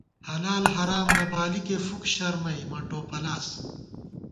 حلال حرام نہ بالِکے فُک شرمئی مہ ٹوپلاس